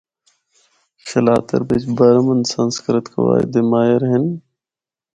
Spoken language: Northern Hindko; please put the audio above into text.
شلاتر بچ برھمن سنسکرت قوائد دے ماہر ہن۔